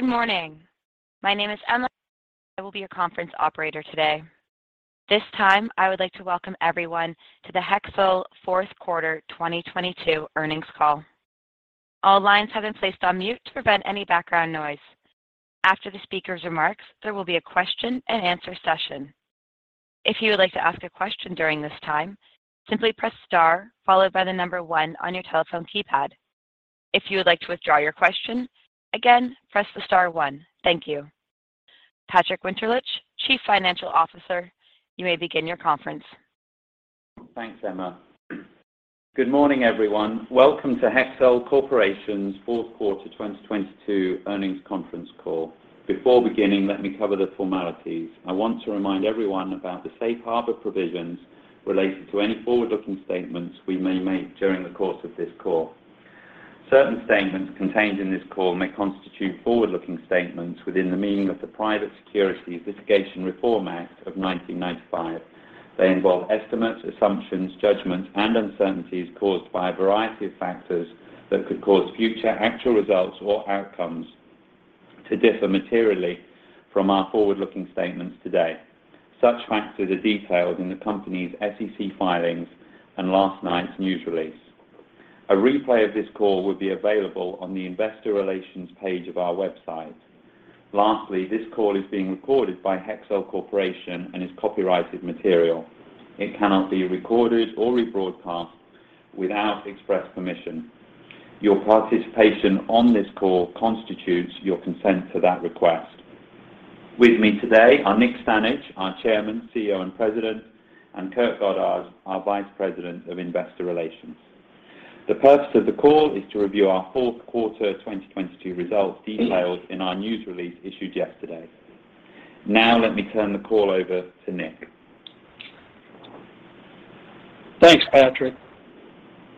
Good morning. My name is Emma. I will be your conference operator today. This time, I would like to welcome everyone to the Hexcel Fourth Quarter 2022 Earnings Call. All lines have been placed on mute to prevent any background noise. After the speaker's remarks, there will be a question-and-answer session. If you would like to ask a question during this time, simply press star followed by the number one on your telephone keypad. If you would like to withdraw your question, again, press the star one. Thank you. Patrick Winterlich, Chief Financial Officer, you may begin your conference. Thanks, Emma. Good morning, everyone. Welcome to Hexcel Corporation's Fourth Quarter 2022 Earnings Conference Call. Before beginning, let me cover the formalities. I want to remind everyone about the safe harbor provisions relating to any forward-looking statements we may make during the course of this call. Certain statements contained in this call may constitute forward-looking statements within the meaning of the Private Securities Litigation Reform Act of 1995. They involve estimates, assumptions, judgments, and uncertainties caused by a variety of factors that could cause future actual results or outcomes to differ materially from our forward-looking statements today. Such factors are detailed in the company's SEC filings and last night's news release. A replay of this call will be available on the investor relations page of our website. Lastly, this call is being recorded by Hexcel Corporation and is copyrighted material. It cannot be recorded or rebroadcast without express permission. Your participation on this call constitutes your consent to that request. With me today are Nick Stanage, our Chairman, CEO, and President, and Kurt Goddard, our Vice President of Investor Relations. The purpose of the call is to review our fourth quarter 2022 results detailed in our news release issued yesterday. Let me turn the call over to Nick. Thanks, Patrick.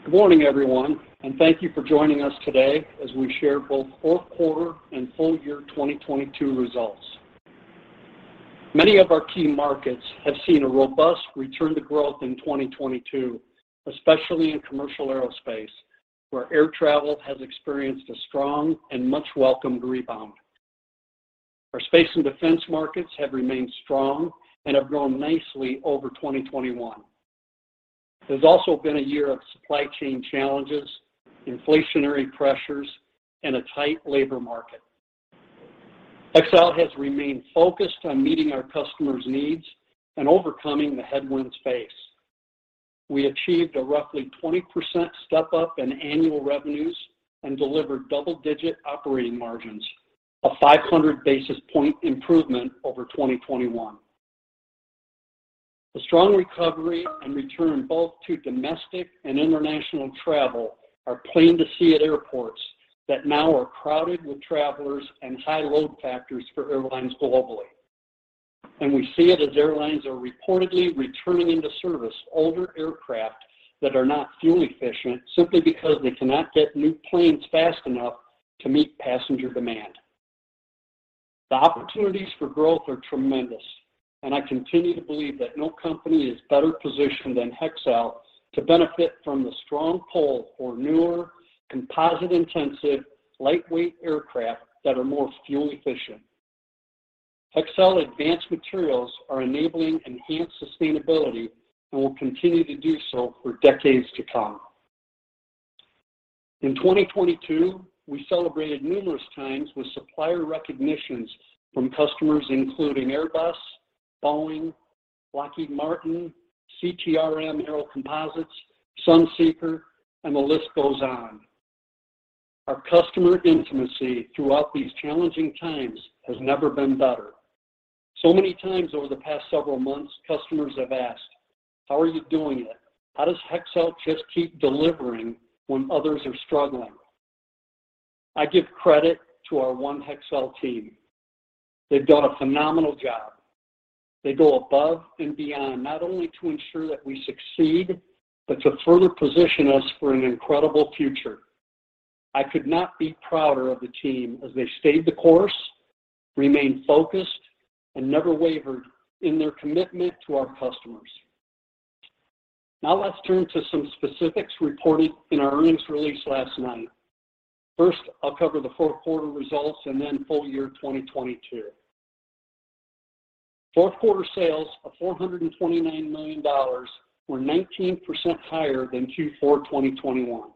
Good morning, everyone, thank you for joining us today as we share both fourth quarter and full year 2022 results. Many of our key markets have seen a robust return to growth in 2022, especially in commercial aerospace, where air travel has experienced a strong and much-welcomed rebound. Our space and defense markets have remained strong and have grown nicely over 2021. It has also been a year of supply chain challenges, inflationary pressures, and a tight labor market. Hexcel has remained focused on meeting our customers' needs and overcoming the headwinds faced. We achieved a roughly 20% step-up in annual revenues and delivered double-digit operating margins, a 500 basis point improvement over 2021. The strong recovery and return both to domestic and international travel are plain to see at airports that now are crowded with travelers and high load factors for airlines globally. We see it as airlines are reportedly returning into service older aircraft that are not fuel efficient simply because they cannot get new planes fast enough to meet passenger demand. The opportunities for growth are tremendous, and I continue to believe that no company is better positioned than Hexcel to benefit from the strong pull for newer, composite-intensive, lightweight aircraft that are more fuel efficient. Hexcel advanced materials are enabling enhanced sustainability and will continue to do so for decades to come. In 2022, we celebrated numerous times with supplier recognitions from customers including Airbus, Boeing, Lockheed Martin, CTRM Aero Composites, Sunseeker, and the list goes on. Our customer intimacy throughout these challenging times has never been better. So many times over the past several months, customers have asked, "How are you doing it? How does Hexcel just keep delivering when others are struggling?" I give credit to our One Hexcel team. They've done a phenomenal job. They go above and beyond, not only to ensure that we succeed, but to further position us for an incredible future. I could not be prouder of the team as they stayed the course, remained focused, and never wavered in their commitment to our customers. Let's turn to some specifics reported in our earnings release last night. First, I'll cover the fourth quarter results and then full year 2022. Fourth quarter sales of $429 million were 19% higher than Q4 2021.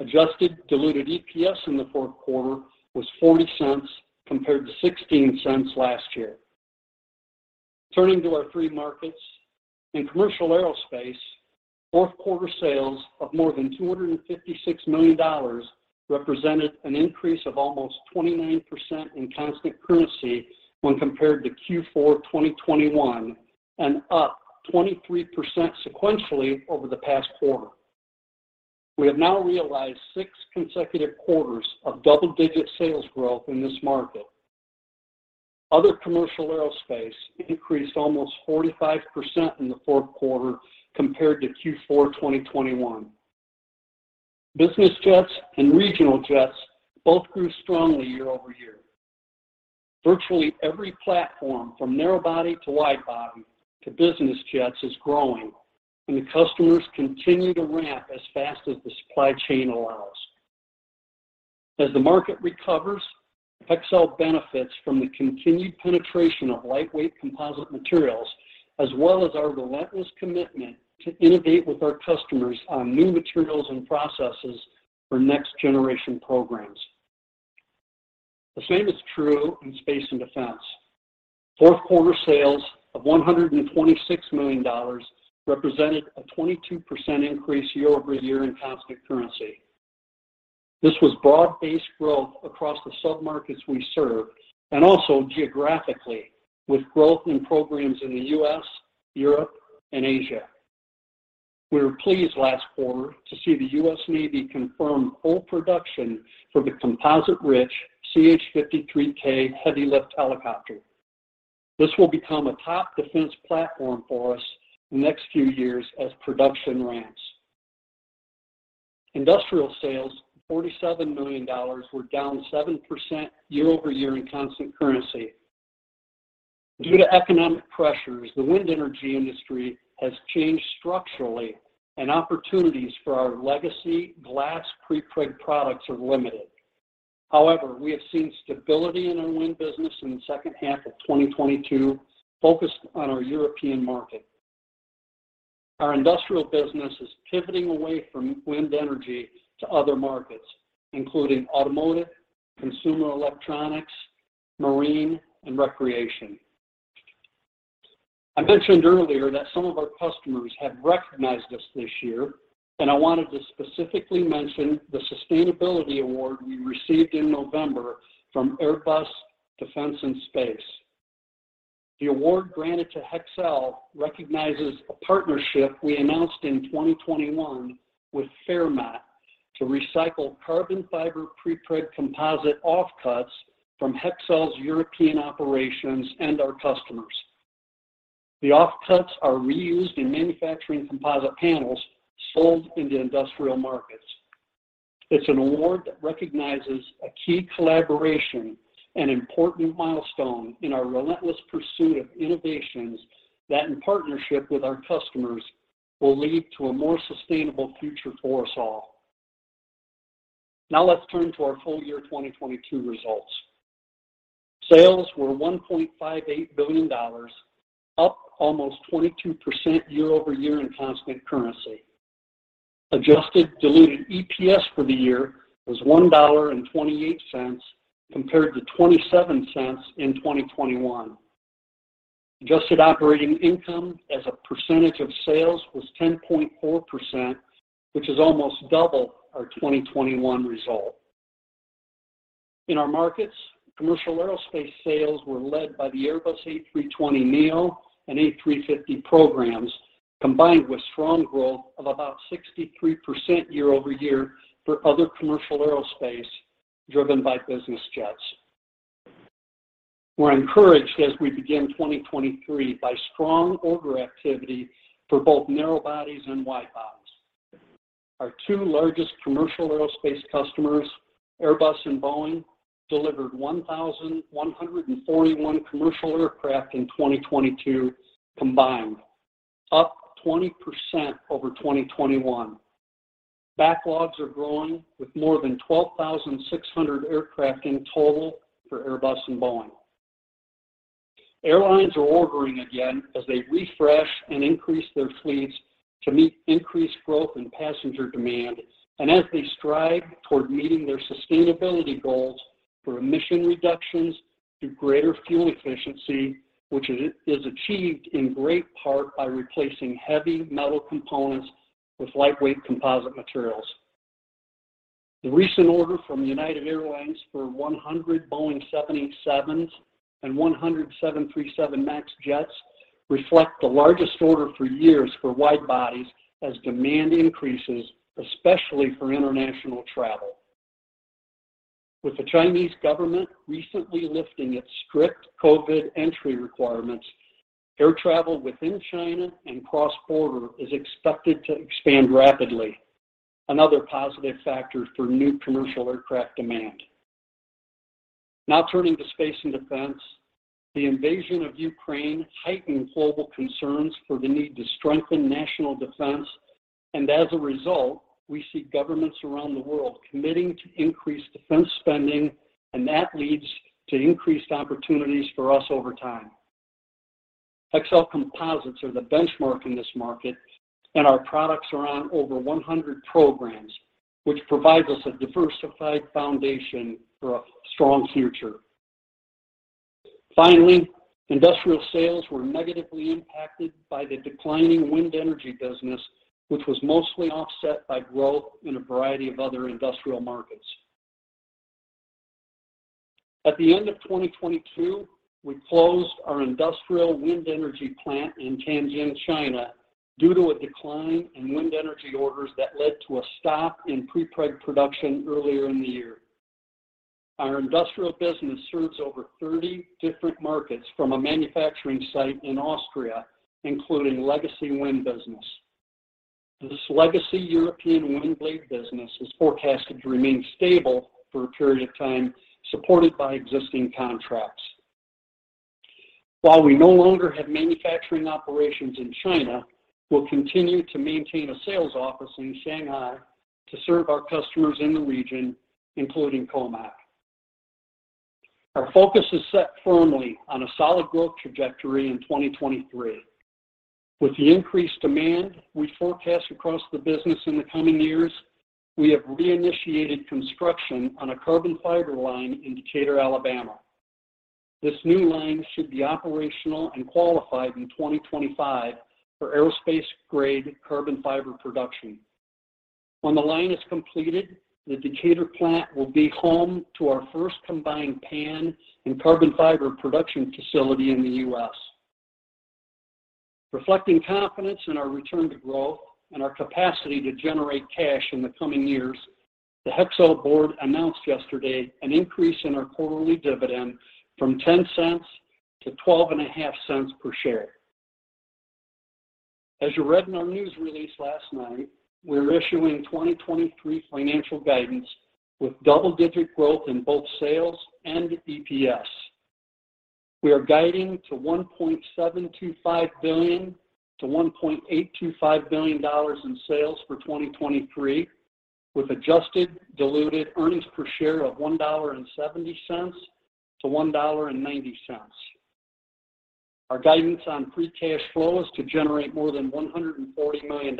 Adjusted diluted EPS in the fourth quarter was $0.40 compared to $0.16 last year. Turning to our three markets. In commercial aerospace, fourth quarter sales of more than $256 million represented an increase of almost 29% in constant currency when compared to Q4 2021 and up 23% sequentially over the past quarter. We have now realized six consecutive quarters of double-digit sales growth in this market. Other commercial aerospace increased almost 45% in the fourth quarter compared to Q4 2021. Business jets and regional jets both grew strongly year-over-year. Virtually every platform from narrow body to wide body to business jets is growing. The customers continue to ramp as fast as the supply chain allows. As the market recovers, Hexcel benefits from the continued penetration of lightweight composite materials, as well as our relentless commitment to innovate with our customers on new materials and processes for next-generation programs. The same is true in space and defense. Fourth quarter sales of $126 million represented a 22% increase year-over-year in constant currency. This was broad-based growth across the submarkets we serve and also geographically, with growth in programs in the U.S., Europe, and Asia. We were pleased last quarter to see the U.S. Navy confirm full production for the composite-rich CH-53K heavy lift helicopter. This will become a top defense platform for us in the next few years as production ramps. Industrial sales, $47 million, were down 7% year-over-year in constant currency. Due to economic pressures, the wind energy industry has changed structurally, and opportunities for our legacy glass prepreg products are limited. However, we have seen stability in our wind business in the second half of 2022, focused on our European market. Our industrial business is pivoting away from wind energy to other markets, including automotive, consumer electronics, marine, and recreation. I mentioned earlier that some of our customers have recognized us this year. I wanted to specifically mention the sustainability award we received in November from Airbus Defence and Space. The award granted to Hexcel recognizes a partnership we announced in 2021 with Fairmat to recycle carbon fiber prepreg composite offcuts from Hexcel's European operations and our customers. The offcuts are reused in manufacturing composite panels sold in the industrial markets. It's an award that recognizes a key collaboration and important milestone in our relentless pursuit of innovations that, in partnership with our customers, will lead to a more sustainable future for us all. Let's turn to our full year 2022 results. Sales were $1.58 billion, up almost 22% year-over-year in constant currency. Adjusted diluted EPS for the year was $1.28 compared to $0.27 in 2021. Adjusted operating income as a percentage of sales was 10.4%, which is almost double our 2021 result. In our markets, commercial aerospace sales were led by the Airbus A320neo and A350 programs, combined with strong growth of about 63% year-over-year for other commercial aerospace driven by business jets. We're encouraged as we begin 2023 by strong order activity for both narrow bodies and wide bodies. Our two largest commercial aerospace customers, Airbus and Boeing, delivered 1,141 commercial aircraft in 2022 combined, up 20% over 2021. Backlogs are growing with more than 12,600 aircraft in total for Airbus and Boeing. Airlines are ordering again as they refresh and increase their fleets to meet increased growth in passenger demand and as they strive toward meeting their sustainability goals for emission reductions through greater fuel efficiency, which is achieved in great part by replacing heavy metal components with lightweight composite materials. The recent order from United Airlines for 100 Boeing 787s and 100 737 MAX jets reflect the largest order for years for wide bodies as demand increases, especially for international travel. With the Chinese government recently lifting its strict COVID entry requirements, air travel within China and cross-border is expected to expand rapidly, another positive factor for new commercial aircraft demand. Now turning to space and defense, the invasion of Ukraine heightened global concerns for the need to strengthen national defense. As a result, we see governments around the world committing to increased defense spending, and that leads to increased opportunities for us over time. Hexcel composites are the benchmark in this market, and our products are on over 100 programs, which provide us a diversified foundation for a strong future. Industrial sales were negatively impacted by the declining wind energy business, which was mostly offset by growth in a variety of other industrial markets. At the end of 2022, we closed our industrial wind energy plant in Tianjin, China, due to a decline in wind energy orders that led to a stop in prepreg production earlier in the year. Our industrial business serves over 30 different markets from a manufacturing site in Austria, including legacy wind business. This legacy European wind blade business is forecasted to remain stable for a period of time, supported by existing contracts. While we no longer have manufacturing operations in China, we'll continue to maintain a sales office in Shanghai to serve our customers in the region, including Comac. Our focus is set firmly on a solid growth trajectory in 2023. With the increased demand we forecast across the business in the coming years, we have reinitiated construction on a carbon fiber line in Decatur, Alabama. This new line should be operational and qualified in 2025 for aerospace-grade carbon fiber production. When the line is completed, the Decatur plant will be home to our first combined PAN and carbon fiber production facility in the U.S. Reflecting confidence in our return to growth and our capacity to generate cash in the coming years, the Hexcel board announced yesterday an increase in our quarterly dividend from $0.10 to $0.125 per share. As you read in our news release last night, we're issuing 2023 financial guidance with double-digit growth in both sales and EPS. We are guiding to $1.725 billion-$1.825 billion in sales for 2023, with adjusted diluted earnings per share of $1.70-$1.90. Our guidance on free cash flow is to generate more than $140 million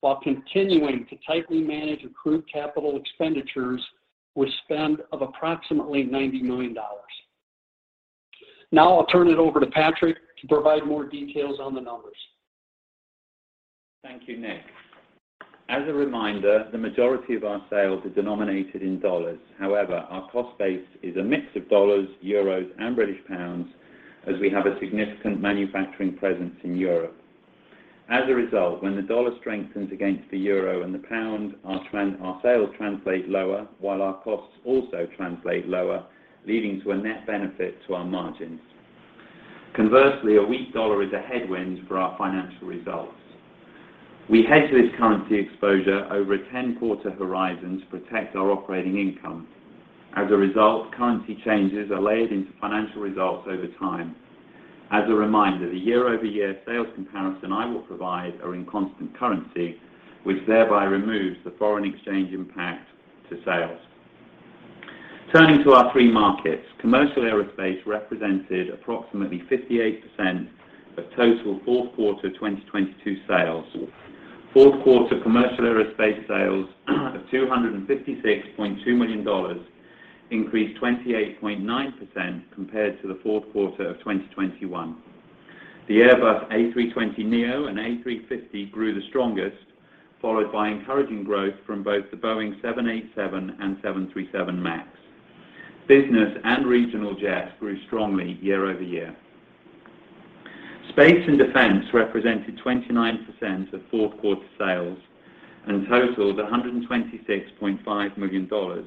while continuing to tightly manage accrued capital expenditures with spend of approximately $90 million. I'll turn it over to Patrick to provide more details on the numbers. Thank you, Nick. As a reminder, the majority of our sales are denominated in dollars. However, our cost base is a mix of dollars, euros, and British pounds as we have a significant manufacturing presence in Europe. As a result, when the dollar strengthens against the euro and the pound, our sales translate lower, while our costs also translate lower, leading to a net benefit to our margins. Conversely, a weak dollar is a headwind for our financial results. We hedge this currency exposure over a 10-quarter horizon to protect our operating income. As a result, currency changes are layered into financial results over time. As a reminder, the year-over-year sales comparison I will provide are in constant currency, which thereby removes the foreign exchange impact to sales. Turning to our 3 markets, commercial aerospace represented approximately 58% of total fourth quarter 2022 sales. Fourth quarter commercial aerospace sales of $256.2 million increased 28.9% compared to the fourth quarter of 2021. The Airbus A320neo and A350 grew the strongest, followed by encouraging growth from both the Boeing 787 and 737 MAX. Business and regional jets grew strongly year-over-year. Space and defense represented 29% of fourth quarter sales and totaled $126.5 million,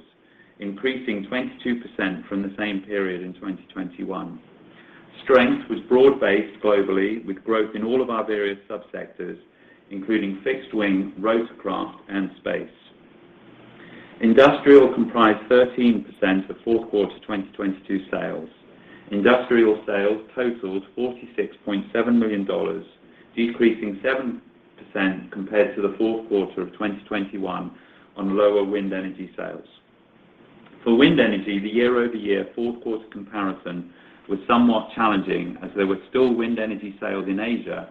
increasing 22% from the same period in 2021. Strength was broad-based globally, with growth in all of our various sub-sectors, including fixed wing, rotorcraft, and space. Industrial comprised 13% of fourth quarter 2022 sales. Industrial sales totaled $46.7 million, decreasing 7% compared to the fourth quarter of 2021 on lower wind energy sales. For wind energy, the year-over-year fourth quarter comparison was somewhat challenging as there were still wind energy sales in Asia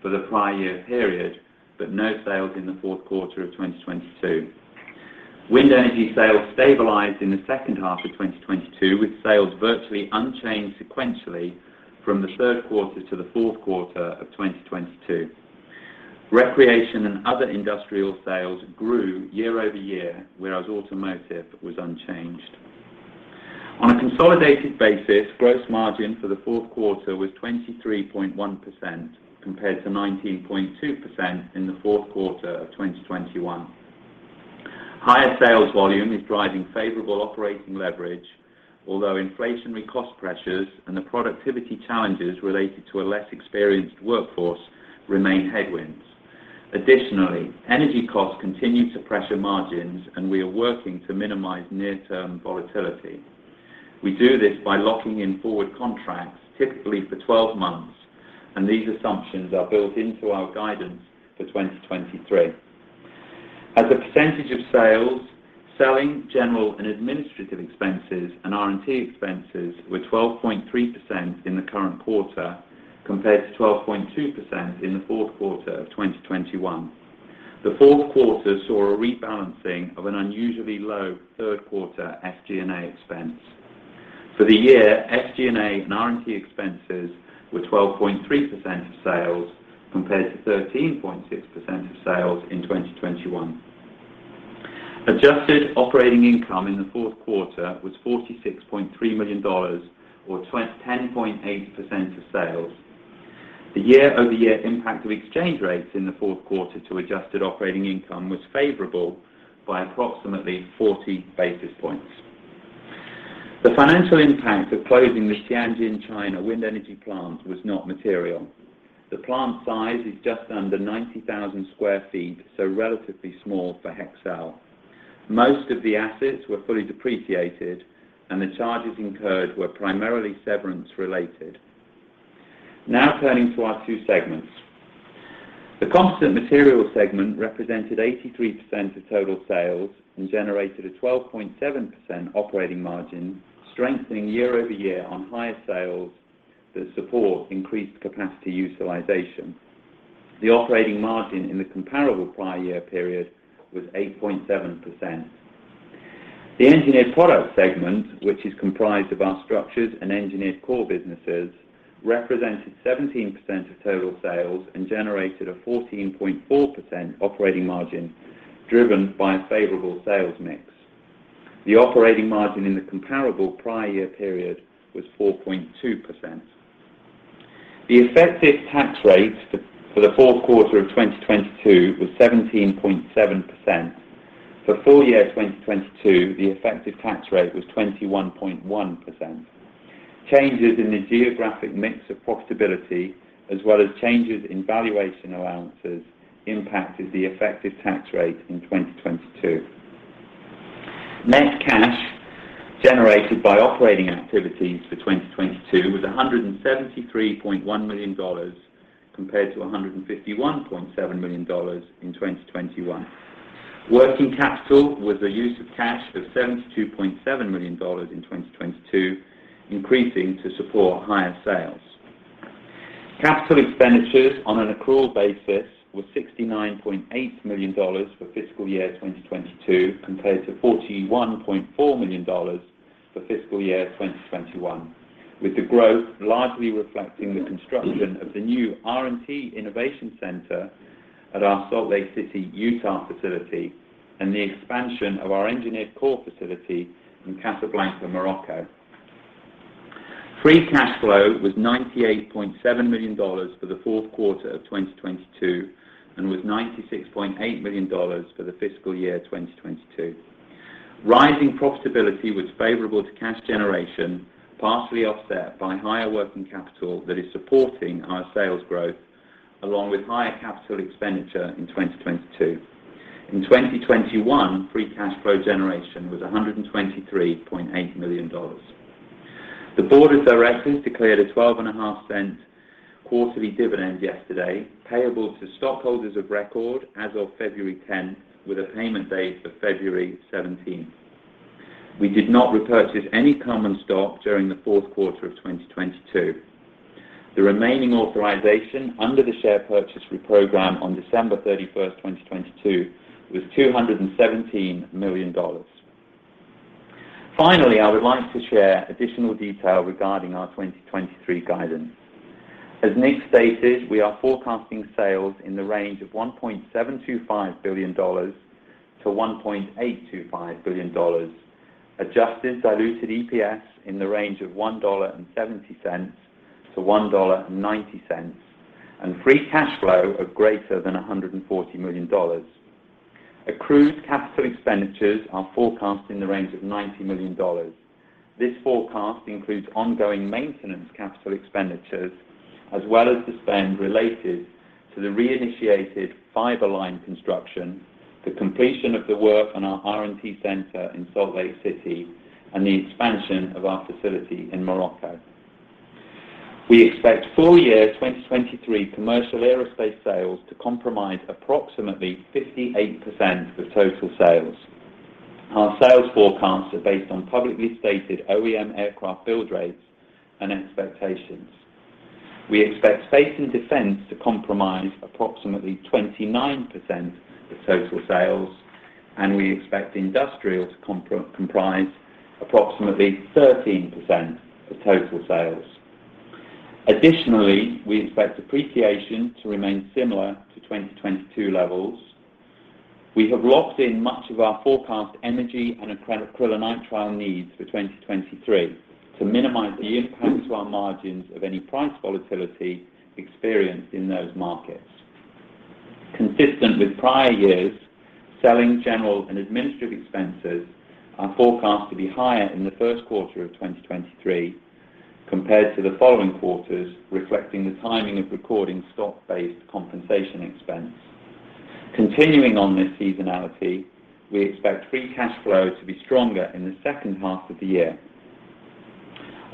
for the prior year period, but no sales in the fourth quarter of 2022. Wind energy sales stabilized in the second half of 2022, with sales virtually unchanged sequentially from the third quarter to the fourth quarter of 2022. Recreation and other industrial sales grew year-over-year, whereas automotive was unchanged. On a consolidated basis, gross margin for the fourth quarter was 23.1% compared to 19.2% in the fourth quarter of 2021. Higher sales volume is driving favorable operating leverage, although inflationary cost pressures and the productivity challenges related to a less experienced workforce remain headwinds. Additionally, energy costs continue to pressure margins, and we are working to minimize near-term volatility. We do this by locking in forward contracts, typically for 12 months. These assumptions are built into our guidance for 2023. As a % of sales, selling, general, and administrative expenses and R&T expenses were 12.3% in the current quarter compared to 12.2% in the fourth quarter of 2021. The fourth quarter saw a rebalancing of an unusually low third quarter SG&A expense. For the year, SG&A and R&T expenses were 12.3% of sales compared to 13.6% of sales in 2021. Adjusted operating income in the fourth quarter was $46.3 million or 10.8% of sales. The year-over-year impact of exchange rates in the fourth quarter to adjusted operating income was favorable by approximately 40 basis points. The financial impact of closing the Tianjin in China wind energy plant was not material. The plant size is just under 90,000 sq ft, so relatively small for Hexcel. Most of the assets were fully depreciated, and the charges incurred were primarily severance-related. Now turning to our two segments. The composite materials segment represented 83% of total sales and generated a 12.7% operating margin, strengthening year-over-year on higher sales that support increased capacity utilization. The operating margin in the comparable prior year period was 8.7%. The engineered products segment, which is comprised of our structures and engineered core businesses, represented 17% of total sales and generated a 14.4% operating margin driven by a favorable sales mix. The operating margin in the comparable prior year period was 4.2%. The effective tax rate for the fourth quarter of 2022 was 17.7%. For full year 2022, the effective tax rate was 21.1%. Changes in the geographic mix of profitability, as well as changes in valuation allowances, impacted the effective tax rate in 2022. Net cash generated by operating activities for 2022 was $173.1 million compared to $151.7 million in 2021. Working capital was a use of cash of $72.7 million in 2022, increasing to support higher sales. Capital expenditures on an accrual basis was $69.8 million for fiscal year 2022 compared to $41.4 million for fiscal year 2021, with the growth largely reflecting the construction of the new R&T Innovation Center at our Salt Lake City, Utah facility and the expansion of our engineered core facility in Casablanca, Morocco. Free cash flow was $98.7 million for the fourth quarter of 2022 and was $96.8 million for the fiscal year 2022. Rising profitability was favorable to cash generation, partially offset by higher working capital that is supporting our sales growth along with higher capital expenditure in 2022. In 2021, free cash flow generation was $123.8 million. The board of directors declared a twelve and a half cent quarterly dividend yesterday, payable to stockholders of record as of February 10th, with a payment date of February 17th. We did not repurchase any common stock during the fourth quarter of 2022. The remaining authorization under the share purchase program on December 31st, 2022 was $217 million. I would like to share additional detail regarding our 2023 guidance. As Nick stated, we are forecasting sales in the range of $1.725 billion-$1.825 billion, adjusted diluted EPS in the range of $1.70-$1.90, and free cash flow of greater than $140 million. Accrued capital expenditures are forecast in the range of $90 million. This forecast includes ongoing maintenance capital expenditures as well as the spend related to the reinitiated fiber line construction, the completion of the work on our R&T center in Salt Lake City, and the expansion of our facility in Morocco. We expect full year 2023 commercial aerospace sales to comprise approximately 58% of total sales. Our sales forecasts are based on publicly stated OEM aircraft build rates and expectations. We expect space and defense to comprise approximately 29% of total sales, and we expect industrial to comprise approximately 13% of total sales. Additionally, we expect depreciation to remain similar to 2022 levels. We have locked in much of our forecast energy and acrylonitrile needs for 2023 to minimize the impact to our margins of any price volatility experienced in those markets. Consistent with prior years, selling, general, and administrative expenses are forecast to be higher in the first quarter of 2023 compared to the following quarters, reflecting the timing of recording stock-based compensation expense. Continuing on this seasonality, we expect free cash flow to be stronger in the second half of the year.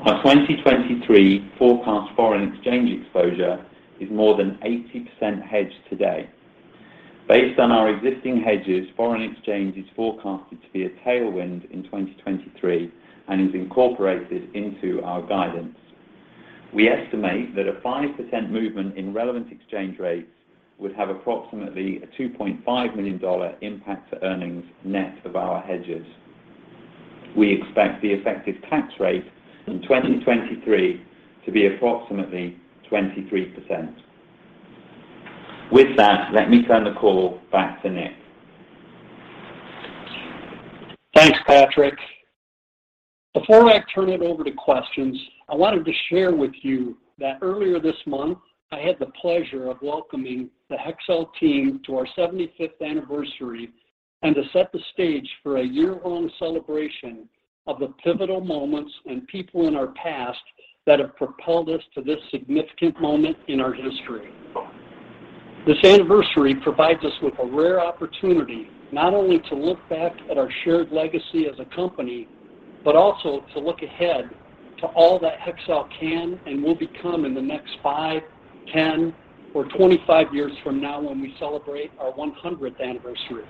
Our 2023 forecast foreign exchange exposure is more than 80% hedged today. Based on our existing hedges, foreign exchange is forecasted to be a tailwind in 2023 and is incorporated into our guidance. We estimate that a 5% movement in relevant exchange rates would have approximately a $2.5 million impact to earnings net of our hedges. We expect the effective tax rate in 2023 to be approximately 23%. With that, let me turn the call back to Nick. Thanks, Patrick. Before I turn it over to questions, I wanted to share with you that earlier this month, I had the pleasure of welcoming the Hexcel team to our 75th anniversary and to set the stage for a year-long celebration of the pivotal moments and people in our past. That have propelled us to this significant moment in our history. This anniversary provides us with a rare opportunity not only to look back at our shared legacy as a company, but also to look ahead to all that Hexcel can and will become in the next 5, 10, or 25 years from now when we celebrate our 100th anniversary.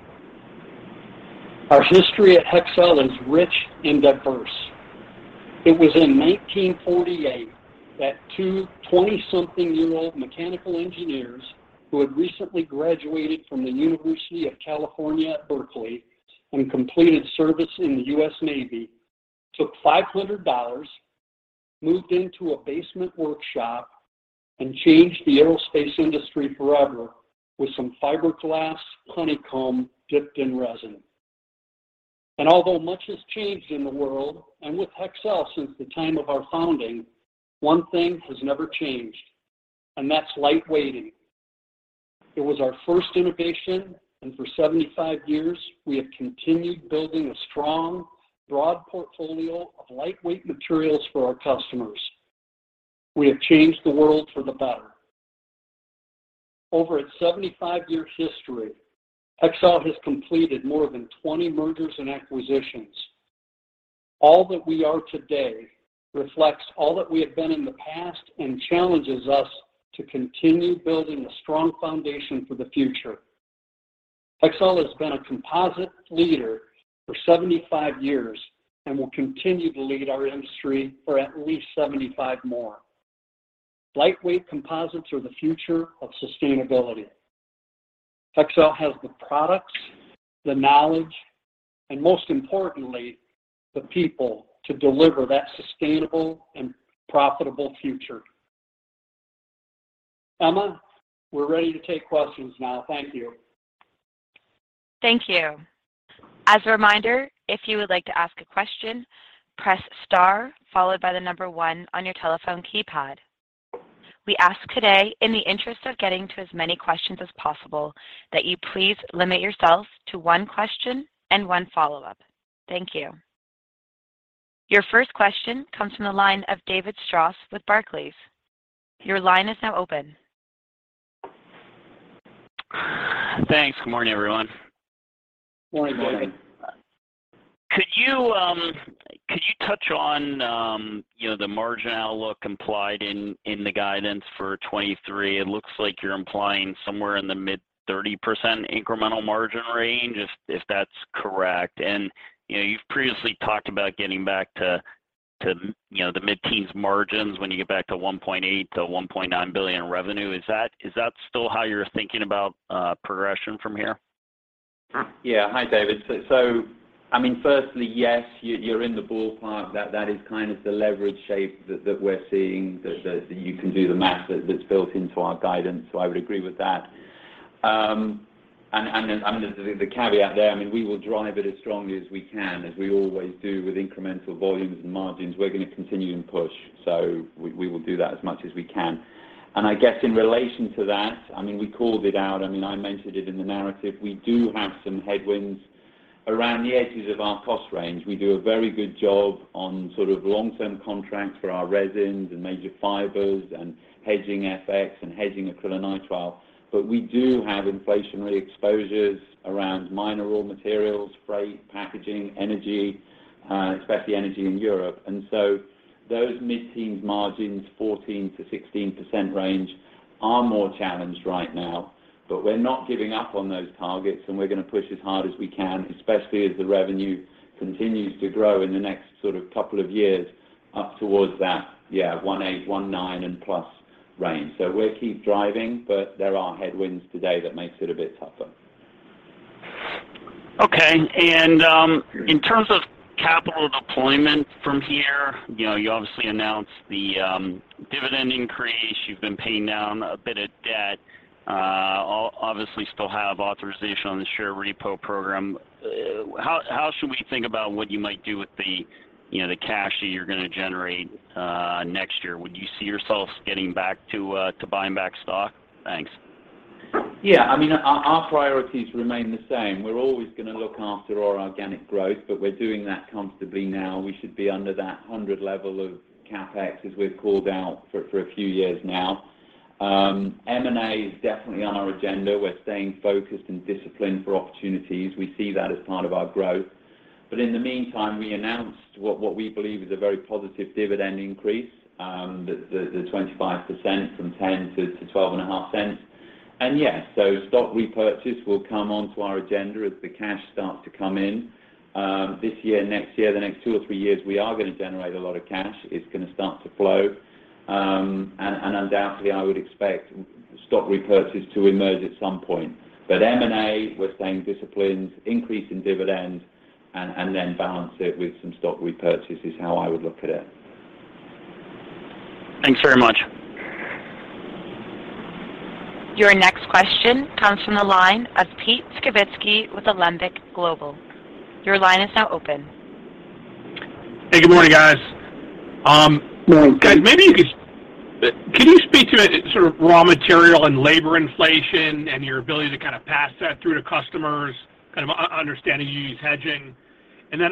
Our history at Hexcel is rich and diverse. It was in 1948 that 2 twenty-something-year-old mechanical engineers, who had recently graduated from the University of California, Berkeley and completed service in the U.S. Navy, took $500, moved into a basement workshop, and changed the aerospace industry forever with some fiberglass honeycomb dipped in resin. Although much has changed in the world, and with Hexcel since the time of our founding, one thing has never changed, and that's lightweighting. It was our first innovation, and for 75 years, we have continued building a strong, broad portfolio of lightweight materials for our customers. We have changed the world for the better. Over its 75-year history, Hexcel has completed more than 20 mergers and acquisitions. All that we are today reflects all that we have been in the past and challenges us to continue building a strong foundation for the future. Hexcel has been a composite leader for 75 years and will continue to lead our industry for at least 75 more. Lightweight composites are the future of sustainability. Hexcel has the products, the knowledge, and most importantly, the people to deliver that sustainable and profitable future. Emma, we're ready to take questions now. Thank you. Thank you. As a reminder, if you would like to ask a question, press star followed by the number 1 on your telephone keypad. We ask today in the interest of getting to as many questions as possible, that you please limit yourself to 1 question and 1 follow-up. Thank you. Your first question comes from the line of David Strauss with Barclays. Your line is now open. Thanks. Good morning, everyone. Morning, David. Could you touch on, you know, the margin outlook implied in the guidance for 2023? It looks like you're implying somewhere in the mid-30% incremental margin range, if that's correct. You know, you've previously talked about getting back to, you know, the mid-teens % margins when you get back to $1.8 billion-$1.9 billion revenue. Is that still how you're thinking about progression from here? Yeah. Hi, David. I mean, firstly, yes, you're in the ballpark. That is kind of the leverage shape that we're seeing that you can do the math that's built into our guidance. I would agree with that. And then, the caveat there, I mean, we will drive it as strongly as we can, as we always do with incremental volumes and margins. We're gonna continue and push. We will do that as much as we can. I guess in relation to that, I mean, we called it out. I mentioned it in the narrative. We do have some headwinds around the edges of our cost range. We do a very good job on sort of long-term contracts for our resins and major fibers and hedging FX and hedging acrylonitrile, but we do have inflationary exposures around minor raw materials, freight, packaging, energy, especially energy in Europe. Those mid-teens margins, 14%-16% range, are more challenged right now. We're not giving up on those targets, and we're gonna push as hard as we can, especially as the revenue continues to grow in the next sort of couple of years up towards that, yeah, $1.8 billion, $1.9 billion, and plus range. We'll keep driving, but there are headwinds today that makes it a bit tougher. Okay. In terms of capital deployment from here, you know, you obviously announced the dividend increase. You've been paying down a bit of debt. Obviously still have authorization on the share repo program. How should we think about what you might do with the, you know, the cash that you're gonna generate next year? Would you see yourselves getting back to buying back stock? Thanks. Yeah. I mean, our priorities remain the same. We're always gonna look after our organic growth, but we're doing that comfortably now. We should be under that 100 level of CapEx, as we've called out for a few years now. M&A is definitely on our agenda. We're staying focused and disciplined for opportunities. We see that as part of our growth. In the meantime, we announced what we believe is a very positive dividend increase, the 25% from $0.10 to $0.125. Stock repurchase will come onto our agenda as the cash starts to come in. This year, next year, the next two or three years, we are gonna generate a lot of cash. It's gonna start to flow, and undoubtedly, I would expect stock repurchase to emerge at some point. M&A, we're staying disciplined, increase in dividends, and then balance it with some stock repurchase is how I would look at it. Thanks very much. Your next question comes from the line of Pete Skibitski with Alembic Global. Your line is now open. Hey, good morning, guys. Morning, Pete. Sort of raw material and labor inflation and your ability to kind of pass that through to customers, kind of understanding you use hedging.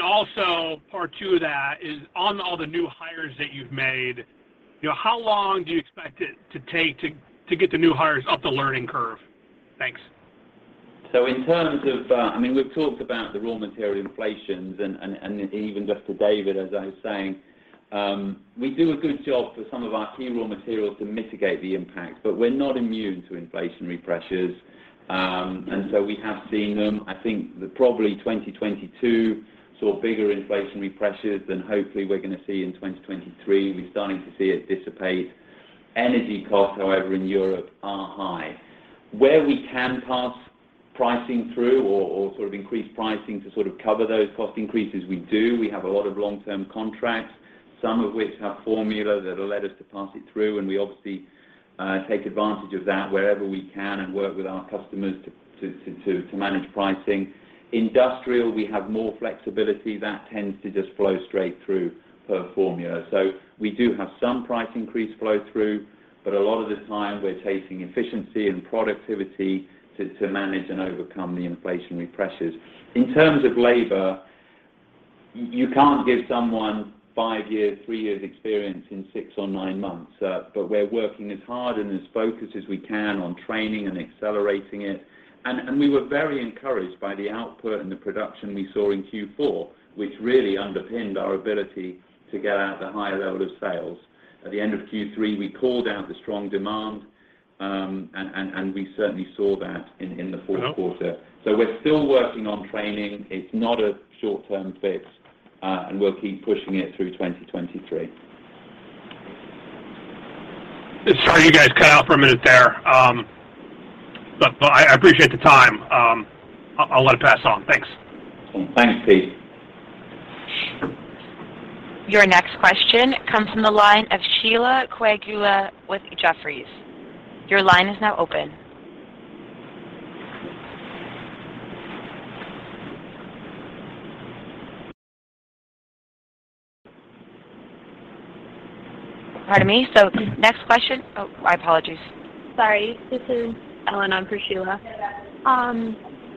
Also part two of that is on all the new hires that you've made, you know, how long do you expect it to take to get the new hires up the learning curve? Thanks. In terms of, I mean, we've talked about the raw material inflations and even just to David, as I was saying, we do a good job for some of our key raw materials to mitigate the impact, but we're not immune to inflationary pressures. We have seen them. I think the probably 2022 saw bigger inflationary pressures than hopefully we're gonna see in 2023. We're starting to see it dissipate. Energy costs, however, in Europe are high. Where we can pass pricing through or sort of increase pricing to sort of cover those cost increases, we do. We have a lot of long-term contracts, some of which have formula that allow us to pass it through, and we obviously take advantage of that wherever we can and work with our customers to manage pricing. Industrial, we have more flexibility. That tends to just flow straight through per formula. We do have some price increase flow through, but a lot of the time we're taking efficiency and productivity to manage and overcome the inflationary pressures. In terms of labor, you can't give someone five years, three years experience in six or nine months. We're working as hard and as focused as we can on training and accelerating it. We were very encouraged by the output and the production we saw in Q4, which really underpinned our ability to get out the higher level of sales. At the end of Q3, we called out the strong demand, and we certainly saw that in the fourth quarter. Oh. We're still working on training. It's not a short-term fix, and we'll keep pushing it through 2023. Sorry, you guys cut out for a minute there. I appreciate the time. I'll let it pass on. Thanks. Thanks, Pete. Your next question comes from the line of Sheila Kahyaoglu with Jefferies. Your line is now open. Pardon me. Next question. Oh, my apologies. Sorry, this is Elena in for Sheila.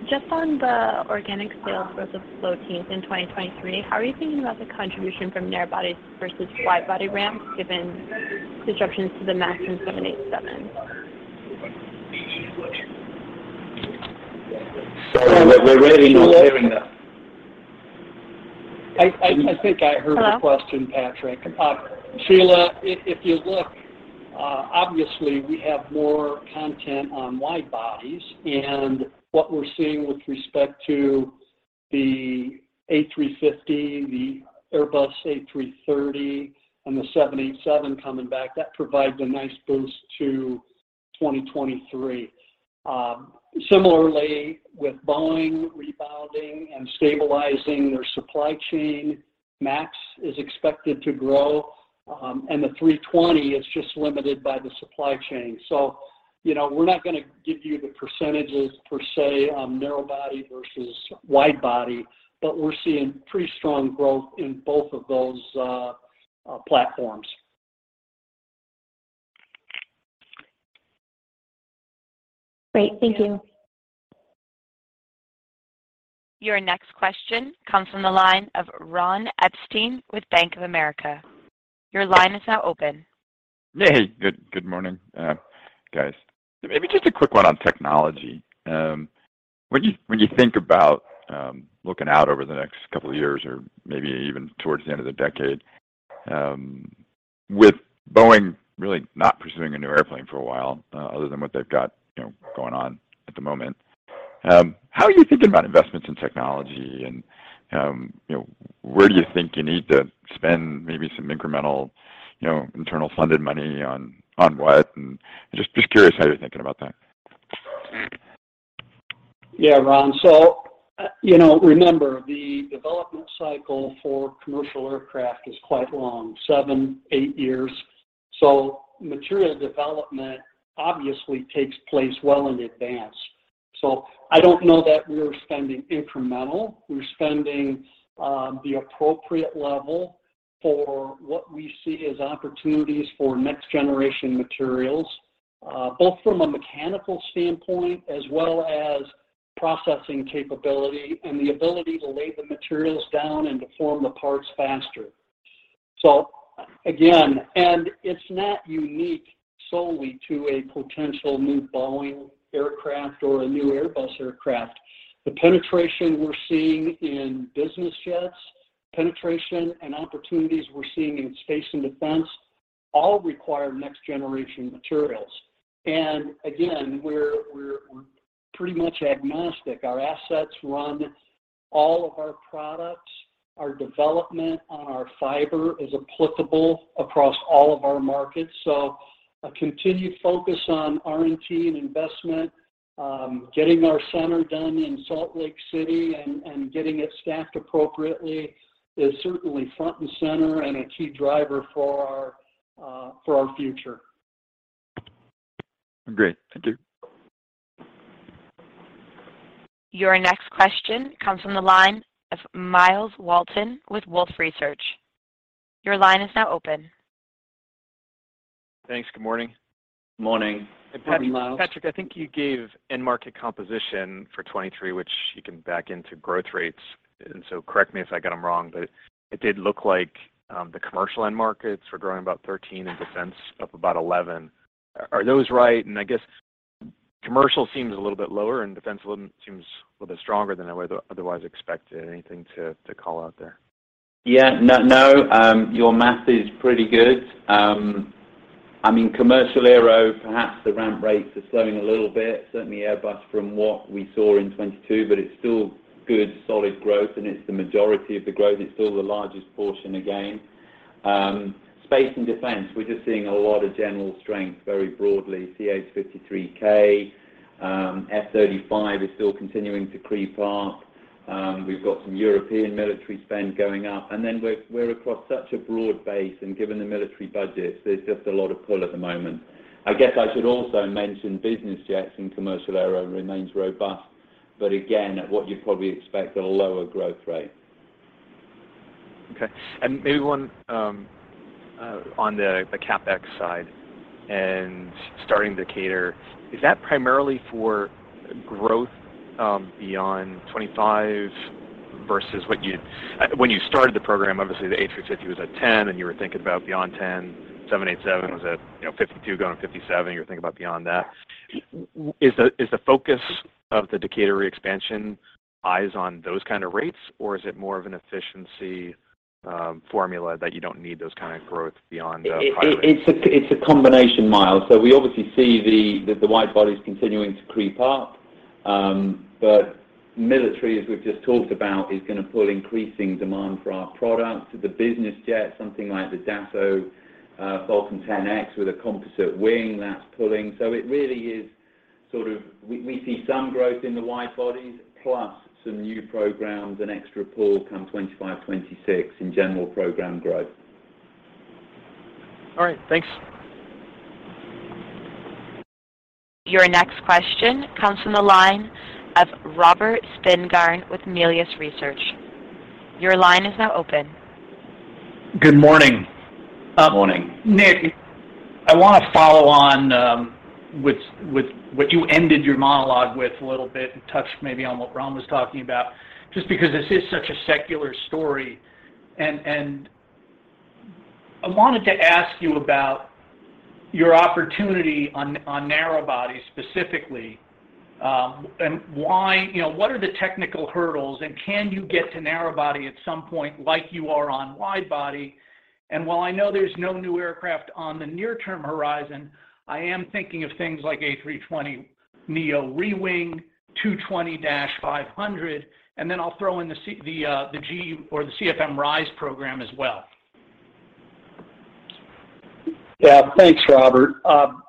Just on the organic sales growth of low teens in 2023, how are you thinking about the contribution from narrow bodies versus wide body ramps given disruptions to the MAX and 787? We're really not giving. I think I heard the question, Patrick. Hello? Sheila, if you look, obviously we have more content on wide bodies, and what we're seeing with respect to the A350, the Airbus A330, and the 787 coming back, that provides a nice boost to 2023. Similarly with Boeing rebounding and stabilizing their supply chain, MAX is expected to grow, and the 320 is just limited by the supply chain. You know, we're not gonna give you the % per se on narrow body versus wide body, but we're seeing pretty strong growth in both of those platforms. Great. Thank you. Your next question comes from the line of Ron Epstein with Bank of America. Your line is now open. Hey, good morning, guys. Maybe just a quick one on technology. When you think about looking out over the next couple of years or maybe even towards the end of the decade, with Boeing really not pursuing a new airplane for a while, other than what they've got, you know, going on at the moment, how are you thinking about investments in technology and, you know, where do you think you need to spend maybe some incremental, you know, internal funded money on what? Just curious how you're thinking about that. Yeah, Ron. You know, remember, the development cycle for commercial aircraft is quite long, seven, eight years. Material development obviously takes place well in advance. I don't know that we're spending incremental. We're spending the appropriate level for what we see as opportunities for next generation materials, both from a mechanical standpoint as well as processing capability and the ability to lay the materials down and to form the parts faster. It's not unique solely to a potential new Boeing aircraft or a new Airbus aircraft. The penetration we're seeing in business jets, penetration and opportunities we're seeing in space and defense all require next generation materials. Again, we're pretty much agnostic. Our assets run all of our products. Our development on our fiber is applicable across all of our markets. A continued focus on R&D and investment, getting our center done in Salt Lake City and getting it staffed appropriately is certainly front and center and a key driver for our future. Great. Thank you. Your next question comes from the line of Myles Walton with Wolfe Research. Your line is now open. Thanks. Good morning. Morning. Good morning, Myles. Patrick, I think you gave end market composition for 2023, which you can back into growth rates. Correct me if I got them wrong, but it did look like, the commercial end markets were growing about 13% and defense up about 11%. Are those right? I guess commercial seems a little bit lower and defense seems a little bit stronger than I would otherwise expect. Anything to call out there? Yeah. No, no. Your math is pretty good. I mean, commercial aero, perhaps the ramp rates are slowing a little bit, certainly Airbus from what we saw in 2022, but it's still good solid growth, and it's the majority of the growth. It's still the largest portion, again. Space and defense, we're just seeing a lot of general strength very broadly. CH-53K, F-35 is still continuing to creep up. We've got some European military spend going up, and then we're across such a broad base, and given the military budgets, there's just a lot of pull at the moment. I guess I should also mention business jets and commercial aero remains robust, but again, at what you'd probably expect, a lower growth rate. Okay. Maybe one, on the CapEx side and starting Decatur, is that primarily for growth beyond 25 versus what you. When you started the program, obviously the A350 was at 10, and you were thinking about beyond 10. 787 was at, you know, 52 going to 57. You're thinking about beyond that. Is the focus of the Decatur expansion eyes on those kind of rates, or is it more of an efficiency formula that you don't need those kind of growth beyond 5 or 8? It's a combination, Myles. We obviously see the wide bodies continuing to creep up. Military, as we've just talked about, is gonna pull increasing demand for our products. The business jets, something like the Dassault Falcon 10X with a composite wing, that's pulling. It really is sort of we see some growth in the wide bodies plus some new programs and extra pull come 2025, 2026 in general program growth. All right. Thanks. Your next question comes from the line of Robert Spingarn with Melius Research. Your line is now open. Good morning. Good morning. Nick, I wanna follow on with what you ended your monologue with a little bit and touch maybe on what Ron was talking about, just because this is such a secular story. I wanted to ask you about your opportunity on narrow body specifically, and why, you know, what are the technical hurdles, and can you get to narrow body at some point like you are on wide body? While I know there's no new aircraft on the near-term horizon, I am thinking of things like A320neo rewing, A220-500, and then I'll throw in the GE or the CFM RISE program as well. Yeah. Thanks, Robert.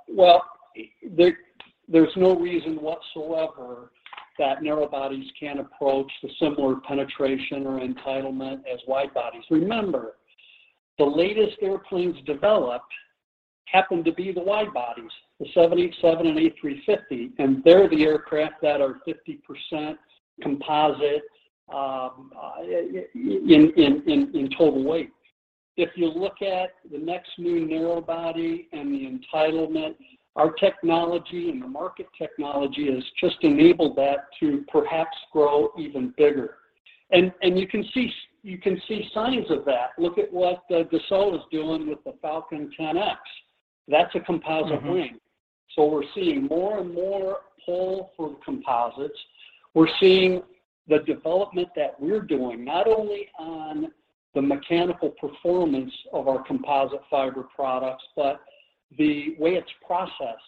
There's no reason whatsoever that narrow bodies can't approach the similar penetration or entitlement as wide bodies. Remember, the latest airplanes developed happen to be the wide bodies, the 787 and A350, and they're the aircraft that are 50% composite in total weight. If you look at the next new narrow body and the entitlement, our technology and the market technology has just enabled that to perhaps grow even bigger. You can see signs of that. Look at what Dassault is doing with the Falcon 10X. That's a composite wing. Mm-hmm. We're seeing more and more pull for composites. We're seeing the development that we're doing, not only on the mechanical performance of our composite fiber products, but the way it's processed,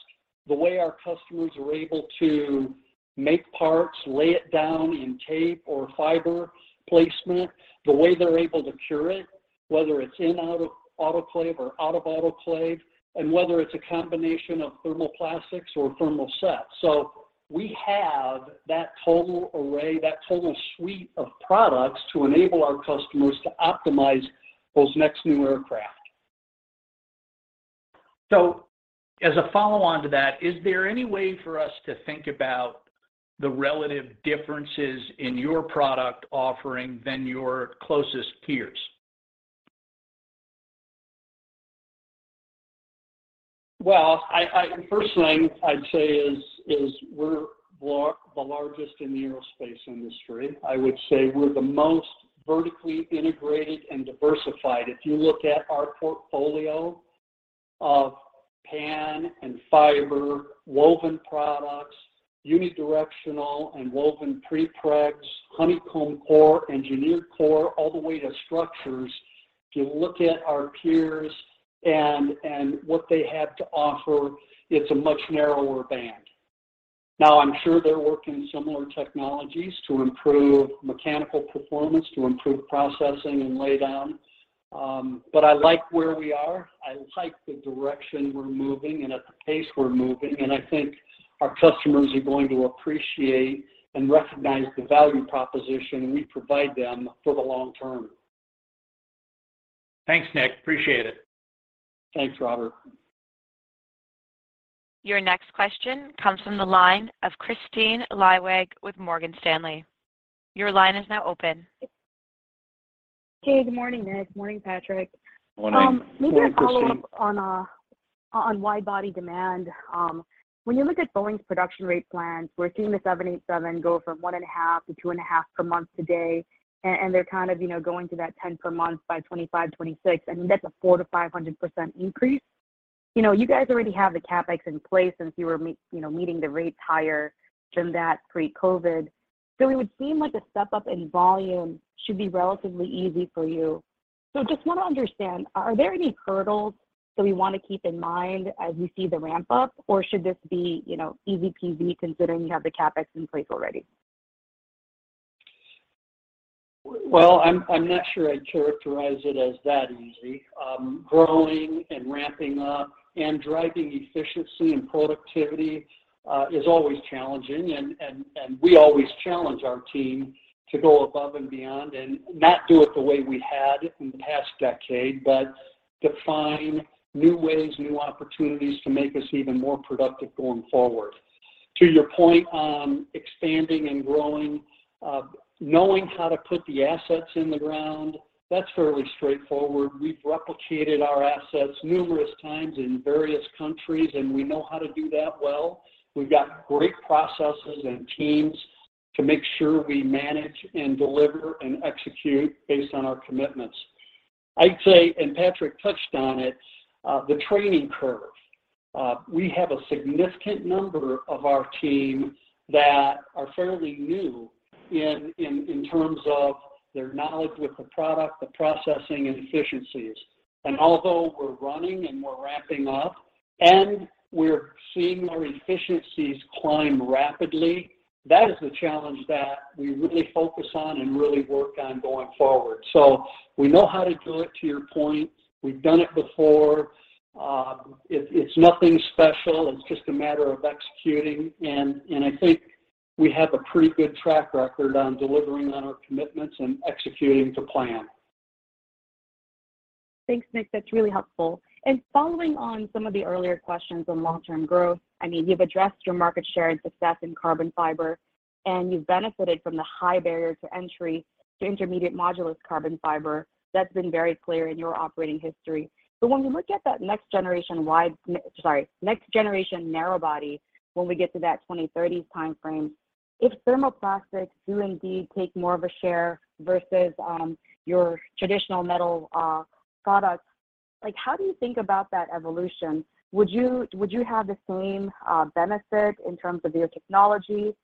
the way our customers are able to make parts, lay it down in tape or fiber placement, the way they're able to cure it, whether it's in-autoclave or out of autoclave, and whether it's a combination of thermoplastics or thermosets. We have that total array, that total suite of products to enable our customers to optimize those next new aircraft. As a follow-on to that, is there any way for us to think about the relative differences in your product offering than your closest peers? Well, first thing I'd say is we're the largest in the aerospace industry. I would say we're the most vertically integrated and diversified. If you look at our portfolio of PAN and fiber, woven products, unidirectional and woven prepregs, honeycomb core, engineered core, all the way to structures. If you look at our peers and what they have to offer, it's a much narrower band. Now, I'm sure they're working similar technologies to improve mechanical performance, to improve processing and laydown, but I like where we are. I like the direction we're moving and at the pace we're moving, and I think our customers are going to appreciate and recognize the value proposition we provide them for the long term. Thanks, Nick. Appreciate it. Thanks, Robert. Your next question comes from the line of Kristine Liwag with Morgan Stanley. Your line is now open. Hey, good morning, Nick. Morning, Patrick. Morning, Kristine. Maybe a follow-up on wide body demand. When you look at Boeing's production rate plans, we're seeing the 787 go from 1.5 to 2.5 per month to date. They're kind of, you know, going to that 10 per month by 2025, 2026, and that's a 400%-500% increase. You know, you guys already have the CapEx in place since you were, you know, meeting the rates higher than that pre-COVID. It would seem like a step up in volume should be relatively easy for you. Just wanna understand, are there any hurdles that we wanna keep in mind as we see the ramp up, or should this be, you know, easy-peasy considering you have the CapEx in place already? Well, I'm not sure I'd characterize it as that easy. Growing and ramping up and driving efficiency and productivity is always challenging and we always challenge our team to go above and beyond and not do it the way we had in the past decade. To find new ways, new opportunities to make us even more productive going forward. To your point on expanding and growing, knowing how to put the assets in the ground, that's fairly straightforward. We've replicated our assets numerous times in various countries, and we know how to do that well. We've got great processes and teams to make sure we manage and deliver and execute based on our commitments. I'd say, and Patrick touched on it, the training curve. We have a significant number of our team that are fairly new in terms of their knowledge with the product, the processing and efficiencies. Although we're running and we're ramping up, and we're seeing our efficiencies climb rapidly, that is the challenge that we really focus on and really work on going forward. We know how to do it, to your point. We've done it before. It's nothing special. It's just a matter of executing, and I think we have a pretty good track record on delivering on our commitments and executing to plan. Thanks, Nick. That's really helpful. I mean, you've addressed your market share and success in carbon fiber, and you've benefited from the high barrier to entry to intermediate modulus carbon fiber. That's been very clear in your operating history. When we look at that next generation narrow body, when we get to that 2030s timeframe, if thermoplastics do indeed take more of a share versus your traditional metal products, like, how do you think about that evolution? Would you have the same benefit in terms of your technology?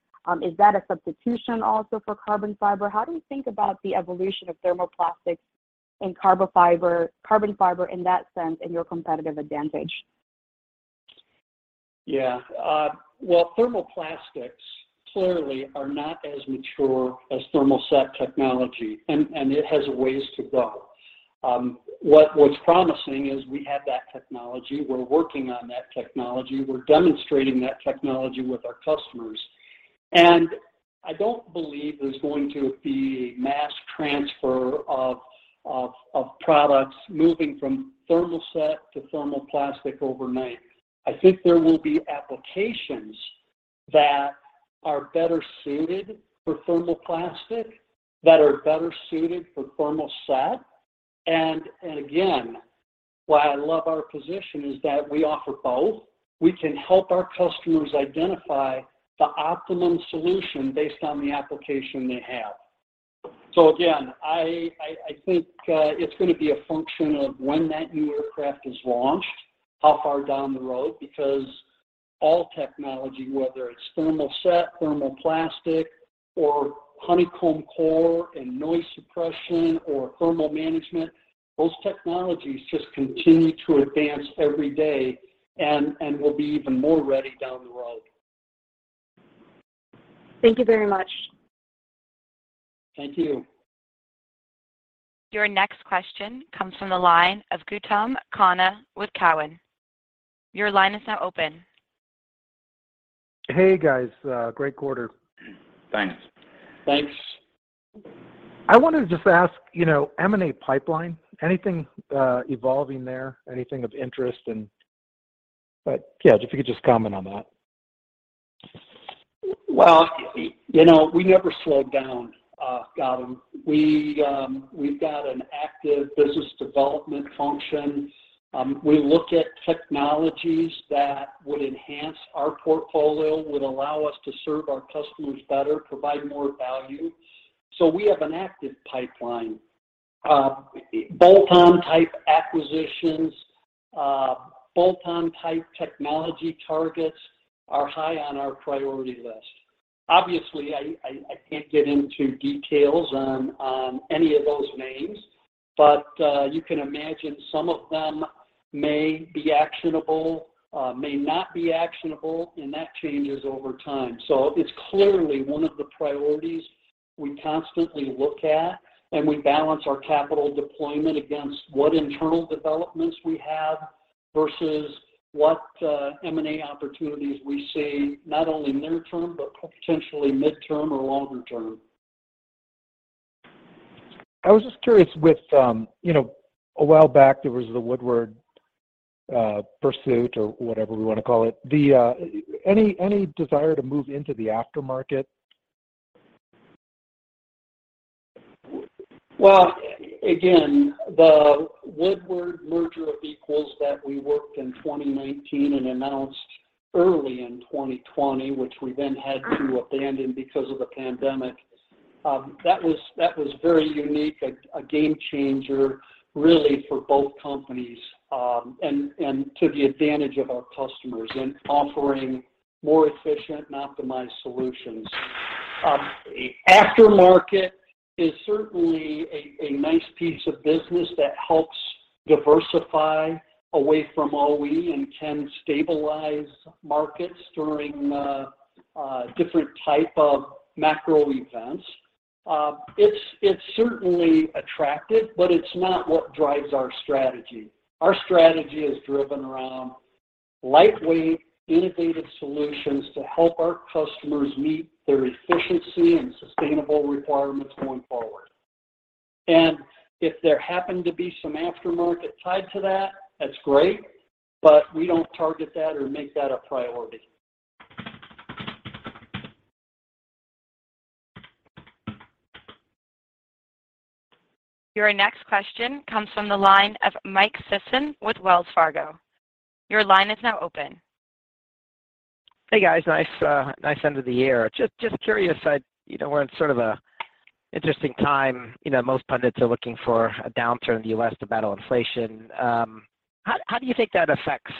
Is that a substitution also for carbon fiber? How do you think about the evolution of thermoplastics and carbon fiber in that sense and your competitive advantage? Well, thermoplastics clearly are not as mature as thermoset technology, and it has ways to go. What's promising is we have that technology. We're working on that technology. We're demonstrating that technology with our customers. I don't believe there's going to be mass transfer of products moving from thermoset to thermoplastic overnight. I think there will be applications that are better suited for thermoplastic, that are better suited for thermoset, and again, why I love our position is that we offer both. We can help our customers identify the optimum solution based on the application they have. Again, I think it's gonna be a function of when that new aircraft is launched, how far down the road, because all technology, whether it's thermoset, thermoplastic, or honeycomb core and noise suppression or thermal management, those technologies just continue to advance every day and will be even more ready down the road. Thank you very much. Thank you. Your next question comes from the line of Gautam Khanna with Cowen. Your line is now open. Hey, guys. Great quarter. Thanks. I wanted to just ask, you know, M&A pipeline, anything evolving there? Anything of interest yeah, if you could just comment on that. Well, you know, we never slow down, Gautam. We've got an active business development function. We look at technologies that would enhance our portfolio, would allow us to serve our customers better, provide more value. We have an active pipeline. Bolt-on type acquisitions, bolt-on type technology targets are high on our priority list. Obviously, I can't get into details on any of those names, you can imagine some of them may be actionable, may not be actionable, that changes over time. It's clearly one of the priorities we constantly look at, we balance our capital deployment against what internal developments we have versus what M&A opportunities we see not only near term, but potentially midterm or longer term. I was just curious with, you know, a while back there was the Woodward pursuit or whatever we want to call it. Any desire to move into the aftermarket? Again, the Woodward merger of equals that we worked in 2019 and announced early in 2020, which we then had to abandon because of the pandemic, that was very unique. A game changer really for both companies, and to the advantage of our customers in offering more efficient and optimized solutions. The aftermarket is certainly a nice piece of business that helps diversify away from OE and can stabilize markets during different type of macro events. It's certainly attractive, but it's not what drives our strategy. Our strategy is driven around lightweight, innovative solutions to help our customers meet their efficiency and sustainable requirements going forward. If there happen to be some aftermarket tied to that's great, but we don't target that or make that a priority. Your next question comes from the line of Michael Sison with Wells Fargo. Your line is now open. Hey guys. Nice, nice end of the year. Just curious, you know, we're in sort of a interesting time. You know, most pundits are looking for a downturn in the U.S. to battle inflation. How do you think that affects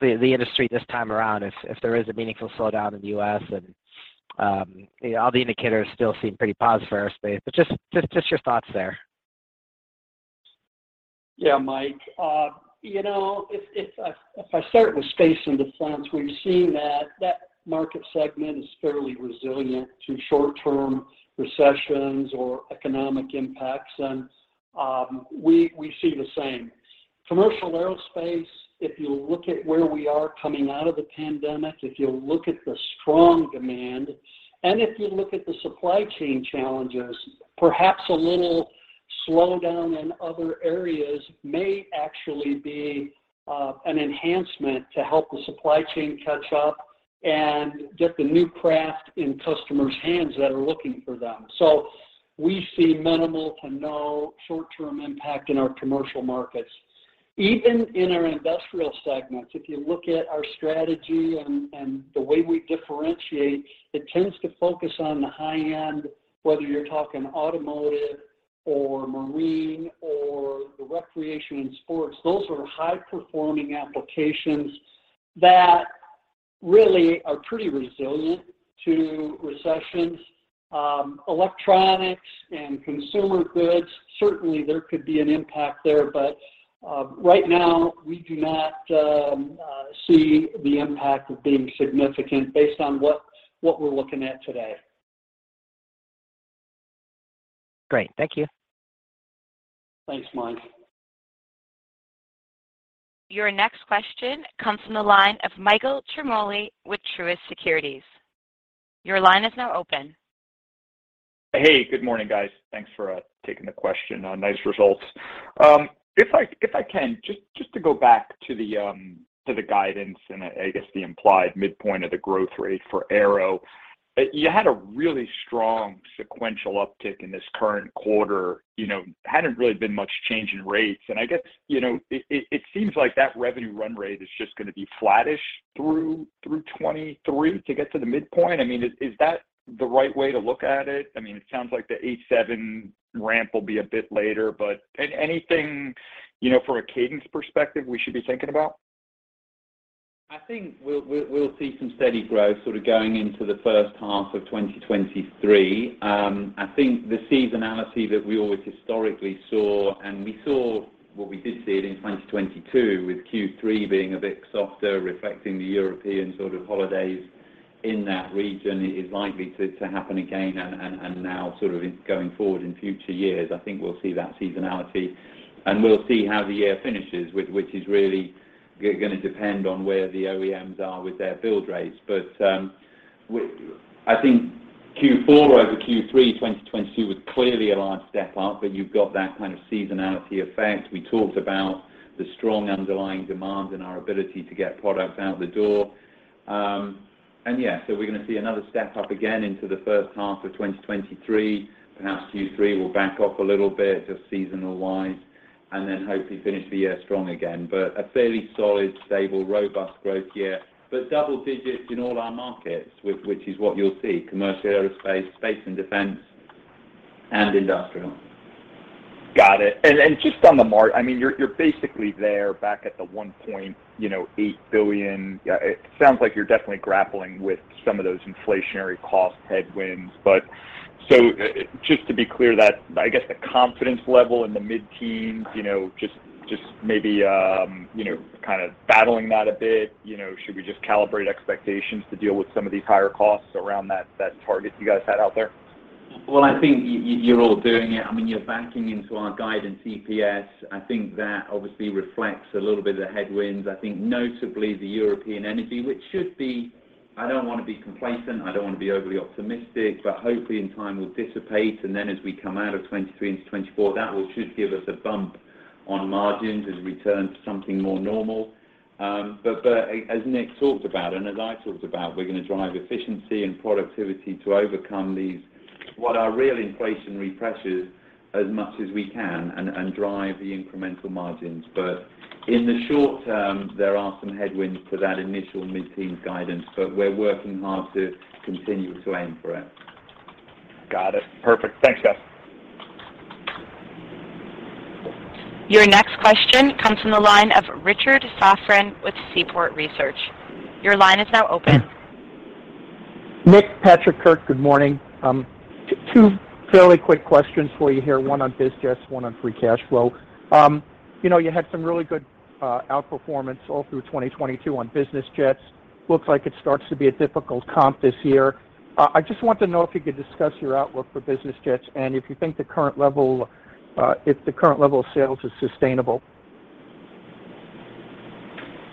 the industry this time around if there is a meaningful slowdown in the U.S. and, you know, all the indicators still seem pretty positive for aerospace, but just your thoughts there. Yeah, Mike. You know, if I start with space and defense, we've seen that that market segment is fairly resilient to short-term recessions or economic impacts, and we see the same. Commercial aerospace, if you look at where we are coming out of the pandemic, if you look at the strong demand, and if you look at the supply chain challenges, perhaps a little slowdown in other areas may actually be an enhancement to help the supply chain catch up and get the new craft in customers' hands that are looking for them. We see minimal to no short-term impact in our commercial markets. Even in our industrial segments, if you look at our strategy and the way we differentiate, it tends to focus on the high end, whether you're talking automotive or marine or the recreation and sports. Those are high-performing applications that really are pretty resilient to recessions. Electronics and consumer goods, certainly there could be an impact there, but right now we do not see the impact of being significant based on what we're looking at today. Great. Thank you. Thanks, Mike. Your next question comes from the line of Michael Ciarmoli with Truist Securities. Your line is now open. Hey, good morning, guys. Thanks for taking the question. Nice results. If I can, just to go back to the guidance and I guess the implied midpoint of the growth rate for Aero, you had a really strong sequential uptick in this current quarter. You know, hadn't really been much change in rates, and I guess, you know, it seems like that revenue run rate is just gonna be flattish through 2023 to get to the midpoint. I mean, is that the right way to look at it? I mean, it sounds like the H7 ramp will be a bit later, but anything, you know, from a cadence perspective we should be thinking about? I think we'll see some steady growth sort of going into the first half of 2023. I think the seasonality that we always historically saw and we saw what we did see it in 2022 with Q3 being a bit softer, reflecting the European sort of holidays in that region is likely to happen again and now sort of going forward in future years. I think we'll see that seasonality, and we'll see how the year finishes, which is really gonna depend on where the OEMs are with their build rates. I think Q4 over Q3 2022 was clearly a large step up, but you've got that kind of seasonality effect. We talked about the strong underlying demand and our ability to get products out the door. We're gonna see another step up again into the first half of 2023. Perhaps Q3 will back off a little bit just seasonal-wise, hopefully finish the year strong again. A fairly solid, stable, robust growth year, but double digits in all our markets, which is what you'll see. Commercial aerospace, space and defense, and industrial. Got it. I mean, you're basically there back at the $1.8 billion. It sounds like you're definitely grappling with some of those inflationary cost headwinds. Just to be clear that, I guess the confidence level in the mid-teens, maybe, kind of battling that a bit. Should we just calibrate expectations to deal with some of these higher costs around that target you guys had out there? I think you're all doing it. I mean, you're backing into our guidance EPS. I think that obviously reflects a little bit of the headwinds, I think notably the European energy, which should be... I don't wanna be complacent, I don't wanna be overly optimistic, but hopefully in time will dissipate, and then as we come out of 2023 into 2024, that should give us a bump on margins as we return to something more normal. As Nick talked about and as I talked about, we're gonna drive efficiency and productivity to overcome these, what are really inflationary pressures as much as we can and drive the incremental margins. In the short term, there are some headwinds to that initial mid-teen guidance, but we're working hard to continue to aim for it. Got it. Perfect. Thanks, guys. Your next question comes from the line of Richard Safran with Seaport Research Partners. Your line is now open. Nick, Patrick, Kurt, good morning. Two fairly quick questions for you here, one on biz jets, one on free cash flow. You know, you had some really good outperformance all through 2022 on business jets. Looks like it starts to be a difficult comp this year. I just want to know if you could discuss your outlook for business jets and if you think the current level of sales is sustainable.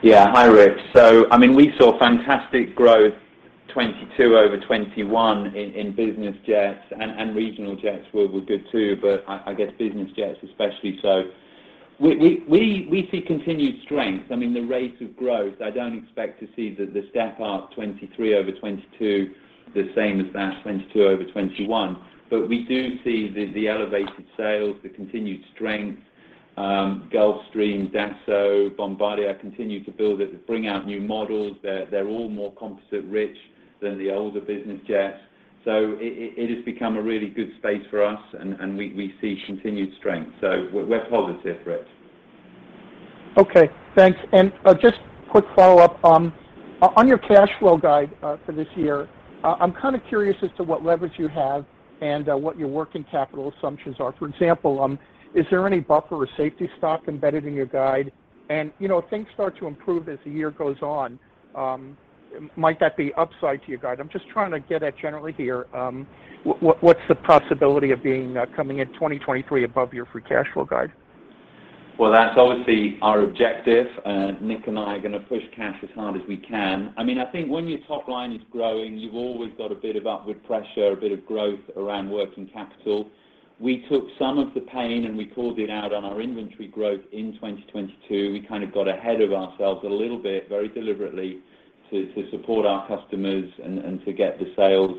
Yeah. Hi, Richard Safran. I mean, we saw fantastic growth 2022 over 2021 in business jets and regional jets were good too, but I guess business jets especially. We see continued strength. I mean, the rates of growth, I don't expect to see the step up 2023 over 2022 the same as that 2022 over 2021. We do see the elevated sales, the continued strength, Gulfstream, Dassault, Bombardier continue to build it, to bring out new models. They're all more composite rich than the older business jets. It has become a really good space for us and we see continued strength. We're positive, Richard Safran. Okay. Thanks. Just quick follow-up. On your cash flow guide, for this year, I'm kind of curious as to what leverage you have and what your working capital assumptions are. For example, is there any buffer or safety stock embedded in your guide? You know, if things start to improve as the year goes on, might that be upside to your guide? I'm just trying to get at generally here, what's the possibility of being coming in 2023 above your free cash flow guide? Well, that's obviously our objective, and Nick and I are gonna push cash as hard as we can. I mean, I think when your top line is growing, you've always got a bit of upward pressure, a bit of growth around working capital. We took some of the pain and we pulled it out on our inventory growth in 2022. We kind of got ahead of ourselves a little bit, very deliberately, to support our customers and to get the sales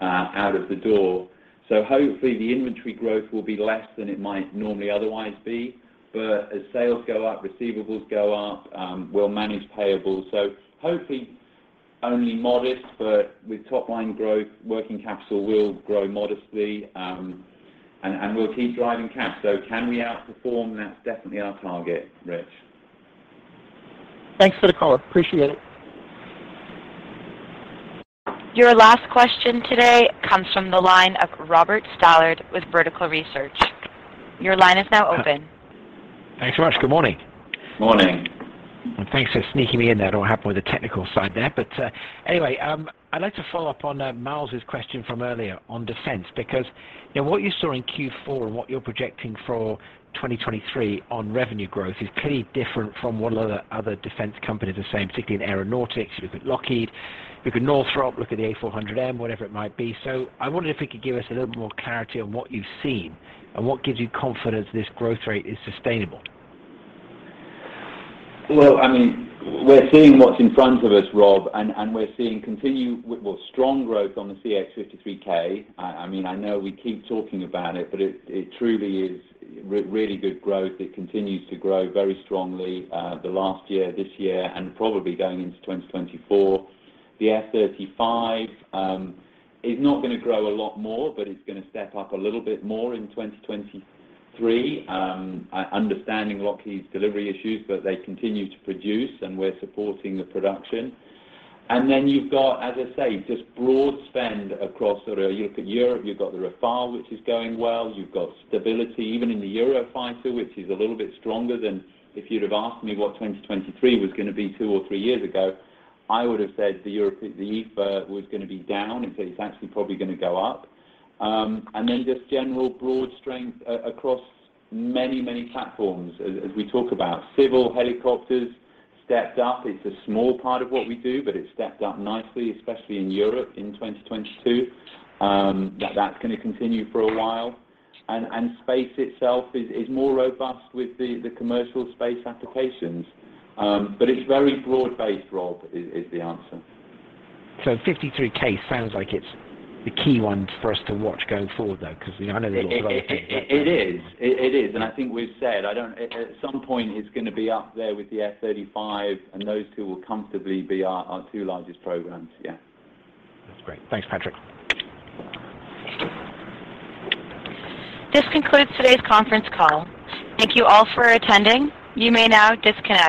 out of the door. Hopefully the inventory growth will be less than it might normally otherwise be. As sales go up, receivables go up, we'll manage payables. Hopefully only modest, but with top line growth, working capital will grow modestly, and we'll keep driving cash. Can we outperform? That's definitely our target, Rich. Thanks for the color. Appreciate it. Your last question today comes from the line of Robert Stallard with Vertical Research. Your line is now open. Thanks so much. Good morning. Morning. Thanks for sneaking me in there. Don't know what happened with the technical side there. Anyway, I'd like to follow up on Myles' question from earlier on defense because, you know, what you saw in Q4 and what you're projecting for 2023 on revenue growth is clearly different from what other defense companies are saying, particularly in aeronautics. If you look at Lockheed, look at Northrop, look at the A400M, whatever it might be. I wondered if you could give us a little more clarity on what you've seen and what gives you confidence this growth rate is sustainable? Well, I mean, we're seeing what's in front of us, Rob, and we're seeing continued, well, strong growth on the CH-53K. I mean, I know we keep talking about it, but it truly is really good growth. It continues to grow very strongly, the last year, this year, and probably going into 2024. The F-35 is not gonna grow a lot more, but it's gonna step up a little bit more in 2023. Understanding Lockheed's delivery issues, but they continue to produce and we're supporting the production. You've got, as I say, just broad spend across sort of... You look at Europe, you've got the Rafale, which is going well. You've got stability even in the Eurofighter, which is a little bit stronger than if you'd have asked me what 2023 was gonna be 2 or 3 years ago, I would have said the EF was gonna be down. Instead, it's actually probably gonna go up. Then just general broad strength across many, many platforms. As we talk about civil helicopters stepped up. It's a small part of what we do, but it stepped up nicely, especially in Europe in 2022. That's gonna continue for a while. Space itself is more robust with the commercial space applications. It's very broad-based, Rob, is the answer. CH-53K sounds like it's the key one for us to watch going forward though, because, you know, I know there are a lot of other things out there. It is. It is. I think we've said, At some point it's gonna be up there with the F-35 and those two will comfortably be our two largest programs. Yeah. That's great. Thanks, Patrick. This concludes today's conference call. Thank You all for attending. You may now disconnect.